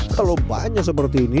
kalau banyak seperti ini